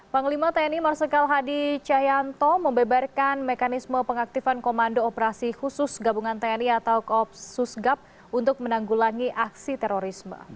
panglima tni marsikal hadi cahyanto membeberkan mekanisme pengaktifan komando operasi khusus gabungan tni atau kopsus gap untuk menanggulangi aksi terorisme